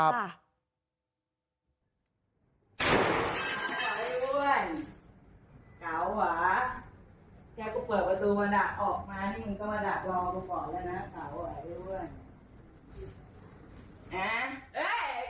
ขอบคุณครับพี่อ้วน